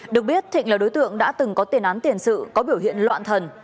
được biết thịnh là đối tượng đã từng có tiền án tiền sự có biểu hiện loạn thần